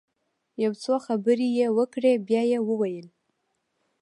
يو څو خبرې يې وکړې بيا يې وويل.